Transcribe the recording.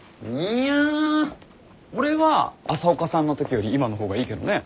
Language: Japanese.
いや俺は朝岡さんの時より今の方がいいけどね。